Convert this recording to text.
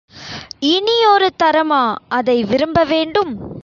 இனியொரு தரமா அதை விரும்பவேண்டும்?